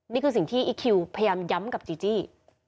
นี่คือสิ่งที่อีคคิวพยายามย้ำกับจีจี้